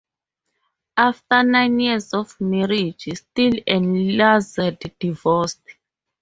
After nine years of marriage, Steel and Lazard divorced.